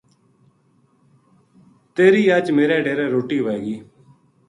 تیری اج میرے ڈیرے روٹی ہوے گی‘‘